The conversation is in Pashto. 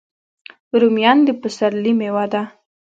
رومیان د پسرلي میوه ده